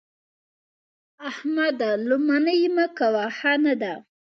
احمده! لو منې مه کوه؛ ښه نه ده.